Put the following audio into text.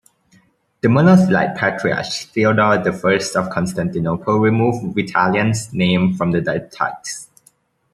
The Monothelite Patriarch Theodore the First of Constantinople removed Vitalian's name from the diptychs.